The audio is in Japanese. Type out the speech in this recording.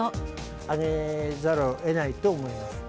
上げざるをえないと思います。